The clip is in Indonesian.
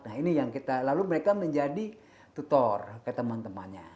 nah ini yang kita lalu mereka menjadi tutor ke teman temannya